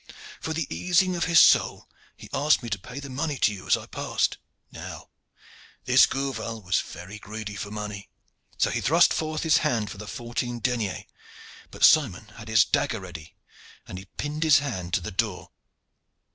For the easing of his soul, he asked me to pay the money to you as I passed.' Now this Gourval was very greedy for money, so he thrust forth his hand for the fourteen deniers, but Simon had his dagger ready and he pinned his hand to the door.